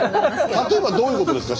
例えばどういうことですか